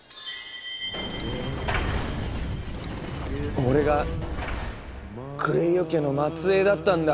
俺がクレイオ家の末えいだったんだ。